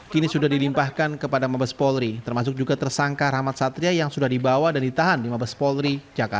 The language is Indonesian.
kini sudah dilimpahkan kepada mabes polri termasuk juga tersangka rahmat satria yang sudah dibawa dan ditahan di mabes polri